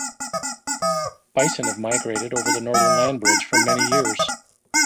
Bison have migrated over the northern land bridge for many years.